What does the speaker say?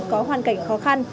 có hoàn cảnh khó khăn